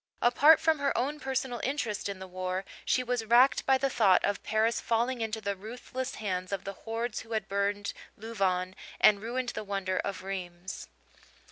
Apart from her own personal interest in the war, she was racked by the thought of Paris falling into the ruthless hands of the hordes who had burned Louvain and ruined the wonder of Rheims.